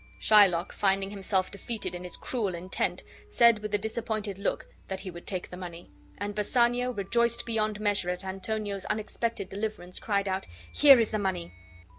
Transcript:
Shylock, finding himself defeated in his cruel intent, said, with a disappointed look, that he would take the money. And Bassanio, rejoiced beyond measure at Antonio's unexpected deliverance, cried out: "Here is the money!"